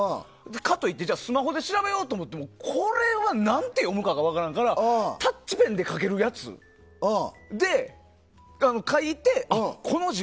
かといってスマホで調べようと思ってもこれは何て読むかが分からないからタッチペンで書けるやつで書いてこの字